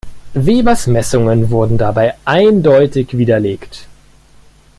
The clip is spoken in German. Webers Messungen wurden dabei eindeutig widerlegt.